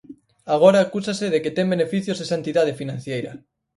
Agora acúsase de que ten beneficios esa entidade financeira.